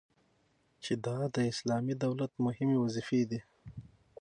چي دا د اسلامي دولت مهمي وظيفي دي